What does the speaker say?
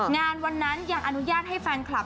งานวันนั้นยังอนุญาตให้แฟนคลับ